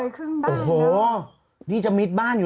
เฉยครึ่งนานเดียวยังน้อยอ่ะ